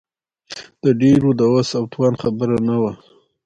د ډېرو د وس او توان خبره نه وه.